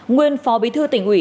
nguyên phó bí thư tỉnh ủy